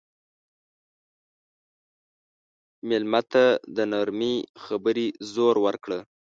مېلمه ته د نرمې خبرې زور ورکړه.